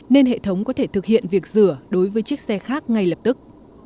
nên hệ thống có thể thực hiện việc rửa đối với chiếc xe khác ngay lập tức